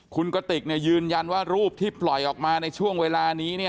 คุณกติกยืนยันว่ารูปที่ปล่อยออกมาในช่วงเวลานี้